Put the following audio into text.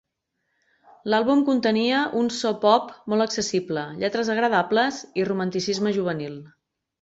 L'àlbum contenia un so pop molt accessible, lletres agradables i romanticisme juvenil.